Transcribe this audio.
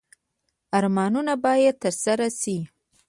ارمانونه باید ترسره شي